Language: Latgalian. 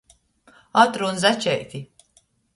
Atrūņ začeiti!